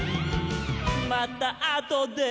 「またあとで」